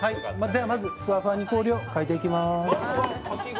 ふわふわに氷をかいていきます。